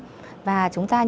vâng và chúng ta